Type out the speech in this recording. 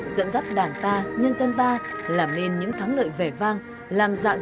dẫn dắt đảng ta nhân dân ta làm nên những thắng lợi vẻ vang